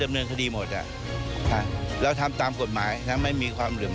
เออนะแล้วการประกันว่า